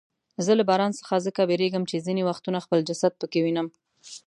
زه له باران څخه ځکه بیریږم چې ځیني وختونه خپل جسد پکې وینم.